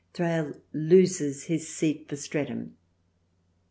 Thrale loses his seat for Streatham.